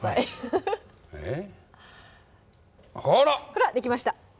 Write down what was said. ほらできました。